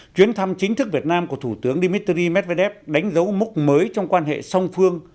chuyến thăm chính thức việt nam của thủ tướng dmitry medvedev đánh dấu mốc mới trong quan hệ song phương